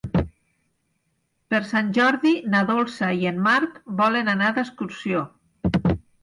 Per Sant Jordi na Dolça i en Marc volen anar d'excursió.